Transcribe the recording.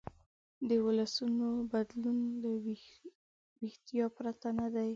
د ولسونو بدلون له ویښتیا پرته نه دی.